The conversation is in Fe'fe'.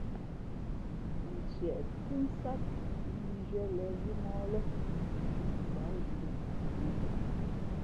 Ntieʼ phʉ́ nsát nzhīē lěn vʉ̄mōh lά o zhī mά mbǎk indō si hᾱ ndαh.